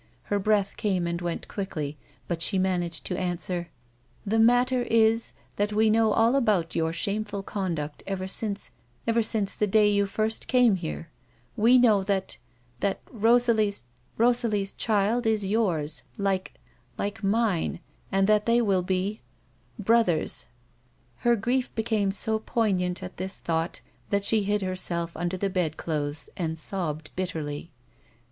Her breath came and went quickly^ but she managed to answer :" The matter is that we know all about your shameful conduct ever since — ever since the day you firet came here ; we know that — that — Rosalie's child is yours — like — like mine, and that they will be — brothers. " A WOMAN'S LIFE. 119 Her grief became so poignant at this thought that she hid herself under the bedclothes and sobbed bitterly.